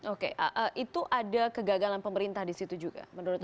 oke itu ada kegagalan pemerintah di situ juga